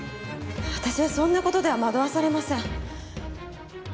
私はそんな事では惑わされません。